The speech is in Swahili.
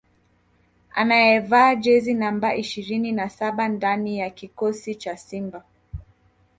anayevaa jezi namba ishirini na saba ndani ya kikosi cha Simba